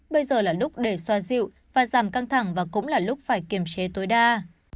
bây giờ là lúc để xoa dịu và giảm căng thẳng và cũng là lúc phải kiềm chế tối đa